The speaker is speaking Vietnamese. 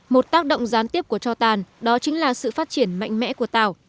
một tác động gián tiếp của cho tàn đó chính là sự phát triển mạnh mẽ của tảo